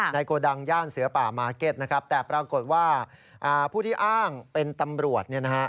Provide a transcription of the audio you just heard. โกดังย่านเสือป่ามาร์เก็ตนะครับแต่ปรากฏว่าผู้ที่อ้างเป็นตำรวจเนี่ยนะฮะ